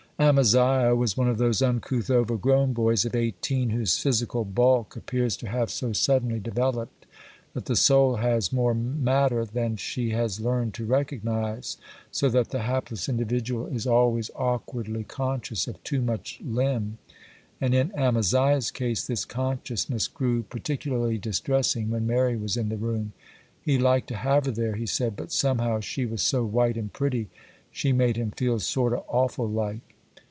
Amaziah was one of those uncouth over grown boys of eighteen, whose physical bulk appears to have so suddenly developed that the soul has more matter than she has learned to recognize, so that the hapless individual is always awkwardly conscious of too much limb; and in Amaziah's case this consciousness grew particularly distressing when Mary was in the room. He liked to have her there, he said, 'but somehow she was so white and pretty, she made him feel sort o' awful like.